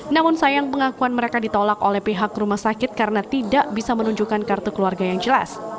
namun sayang pengakuan mereka ditolak oleh pihak rumah sakit karena tidak bisa menunjukkan kartu keluarga yang jelas